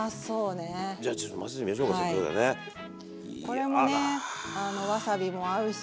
これもねわさびも合うし